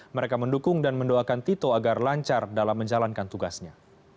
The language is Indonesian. mereka mendukung dan mendoakan tito agar lancar dalam menjalankan tugasnya